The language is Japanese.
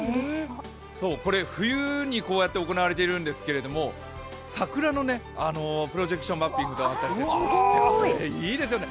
これ、冬に行われているんですけれども、桜のプロジェクションマッピングもあったりして、いいですよね。